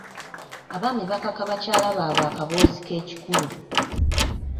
Abaami bakaka bakyala baabwe akaboozi k'ekikulu.